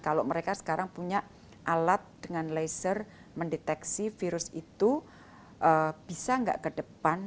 kalau mereka sekarang punya alat dengan laser mendeteksi virus itu bisa nggak ke depan